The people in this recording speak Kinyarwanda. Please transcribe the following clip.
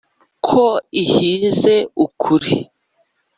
ko ihize ukuri,